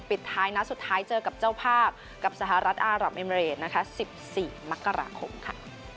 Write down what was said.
ปิดท้ายนัดสุดท้ายเจอกับเจ้าภาพกับสหรัฐอารับเอมเรดนะคะ๑๔มกราคมค่ะ